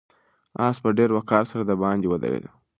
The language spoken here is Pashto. آس په ډېر وقار سره د باندې ودرېد.